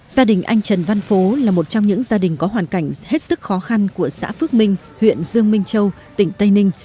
gia đình anh trần văn phố là một trong những gia đình có hoàn cảnh hết sức khó khăn của xã phước minh huyện dương minh châu tỉnh tây ninh